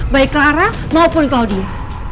baik clara maupun claudia